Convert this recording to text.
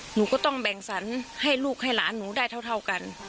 หนูก็ต้องแบ่งสรรให้ลูกให้หลานหนูได้เท่ากัน